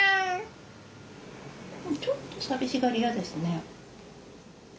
ちょっと寂しがり屋ですね。